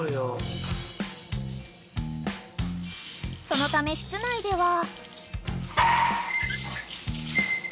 ［そのため室内では］